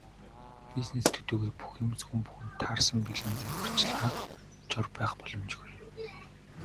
Бизнес төдийгүй бүх юмс, хүн бүхэнд таарсан бэлэн зааварчилгаа, жор байх боломжгүй.